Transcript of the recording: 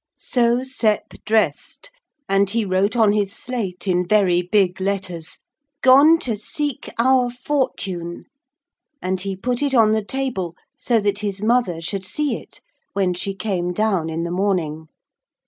So Sep dressed, and he wrote on his slate in very big letters, 'Gone to seek our fortune,' and he put it on the table so that his mother should see it when she came down in the morning.